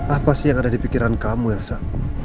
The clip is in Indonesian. apa sih yang ada di pikiran kamu elsa